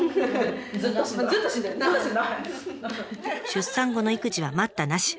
出産後の育児は待ったなし。